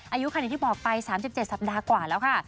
อายุคันอย่างที่บอกไป๓๗สัปดาห์กว่าแล้วค่ะ